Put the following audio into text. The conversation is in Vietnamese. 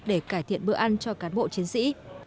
để cải thiện bữa ăn cho cán bộ chiến sĩ